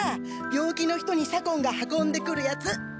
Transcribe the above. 病気の人に左近が運んでくるやつ！